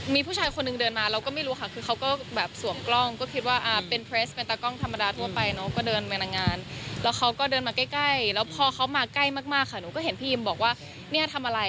มีแบบมีรูอยู่ในรองเท้าอ่ะถามเขาว่าทำไม